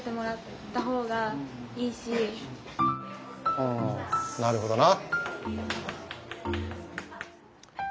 うんなるほどな。